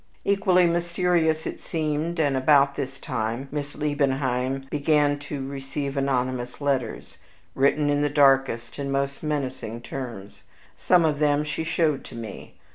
Equally mysterious it seemed, that about this time Miss Liebenheim began to receive anonymous letters, written in the darkest and most menacing terms. Some of them she showed to me.